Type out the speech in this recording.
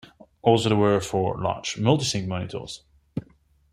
Also there were four large multisync monitors.